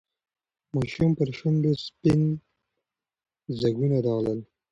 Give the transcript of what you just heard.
د ماشوم پر شونډو سپین ځگونه راغلل.